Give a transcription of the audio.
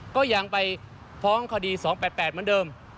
ก็ยังไปฟ้องคดี๒๘๘เหมือนเดิม